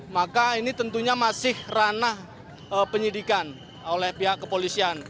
maka ini tentunya masih ranah penyidikan oleh pihak kepolisian